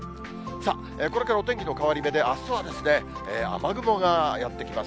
さあ、これからお天気の変わり目で、あすは雨雲がやって来ます。